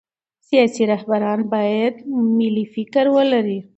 سیاسي رهبران باید ملي فکر ولري